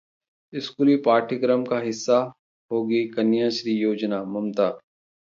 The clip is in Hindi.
स्कूली पाठ्यक्रम का हिस्सा होगी कन्याश्री योजना: ममता